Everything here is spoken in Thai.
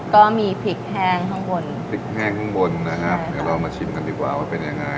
ก็มีพริกแห้งข้างบนพริกแห้งข้างบนนะครับเดี๋ยวเรามาชิมกันดีกว่าว่าเป็นยังไง